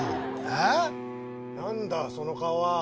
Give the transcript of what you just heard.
あぁ⁉何だその顔は。